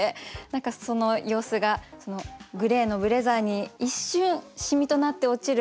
何かその様子がグレーのブレザーに一瞬染みとなって落ちる雨粒。